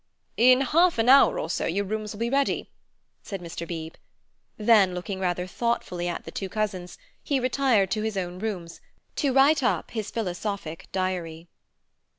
"In half an hour or so your rooms will be ready," said Mr. Beebe. Then looking rather thoughtfully at the two cousins, he retired to his own rooms, to write up his philosophic diary.